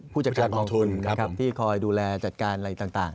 ผู้จัดการกองทุนที่คอยดูแลจัดการอะไรต่าง